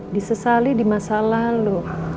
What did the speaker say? disesali di masa lalu